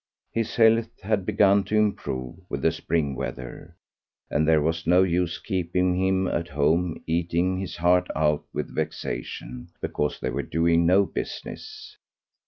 His health had begun to improve with the spring weather, and there was no use keeping him at home eating his heart out with vexation because they were doing no business.